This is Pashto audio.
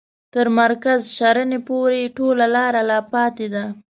تر مرکز شرنې پوري ټوله لار لا پاته ده.